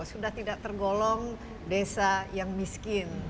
sudah tidak tergolong desa yang miskin